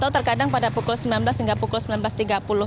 terkadang pada pukul sembilan belas hingga pukul sembilan belas tiga puluh